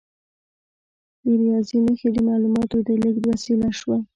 د ریاضي نښې د معلوماتو د لیږد وسیله شوه.